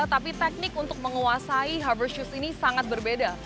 tetapi teknik untuk menguasai hover shoes ini sangat berbeda